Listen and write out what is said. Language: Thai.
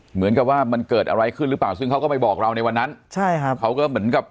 เหมือนกับว่ามันเกิดอะไรขึ้นหรือเปล่าซึ่งเขาก็ไปบอกเราในวันนั้นใช่ครับเขาก็เหมือนกับ